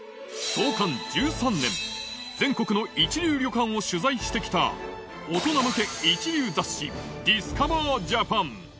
創刊１３年、全国の一流旅館を取材してきた大人向け一流雑誌、ディスカバージャパン。